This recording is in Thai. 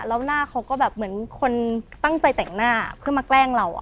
แล้วหน้าเขาก็แบบเหมือนคนตั้งใจแต่งหน้าเพื่อมาแกล้งเรา